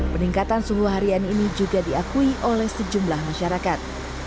peningkatan suhu harian ini juga diakui oleh sejumlah masyarakat